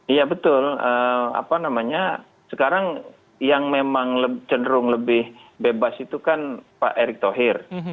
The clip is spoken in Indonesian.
iya betul sekarang yang memang cenderung lebih bebas itu kan pak erick tohir